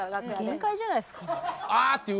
限界じゃないですかもう。